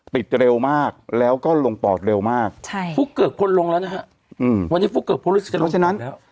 ติดเร็วมากแล้วก็ลงปลอดเร็วมากฟุกเกิกพลลงแล้วนะครับวันนี้ฟุกเกิกพลลึกจะลงไปแล้ว